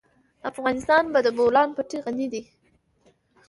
افغانستان په د بولان پټي غني دی.